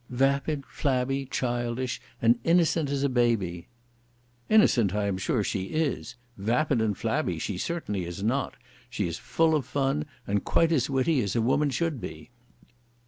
"Vapid, flabby, childish, and innocent as a baby." "Innocent I am sure she is. Vapid and flabby she certainly is not. She is full of fun, and is quite as witty as a woman should be."